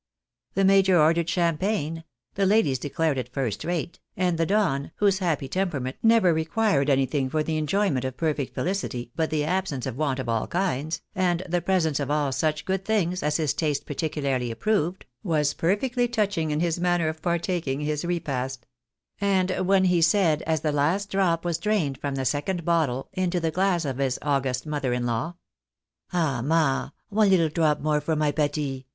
The major ordered champagne, the ladies declared it first rate, and the Don, whose happy temperament never required anything for the enjoy ment of perfect felicity but the absence of want of aU kinds, and the presence of all such good things as his taste particularly approved, was perfectly touching in his manner of partaking his repast ; and when he said, as the last drop was drained from the second bottle into the glass of his august mother in law —" Ah, ma ! one httle drop more for my Pati !